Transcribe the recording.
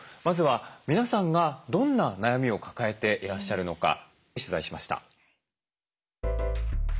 まずは皆さんがどんな悩みを抱えていらっしゃるのか取材しました。